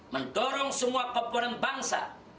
mendorong semua pemerintah bangsa